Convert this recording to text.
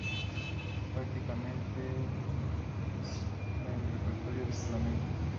Prácticas de Repertorio de Flamenco.